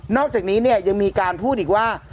อกจากนี้เนี่ยยังมีการพูดอีกว่า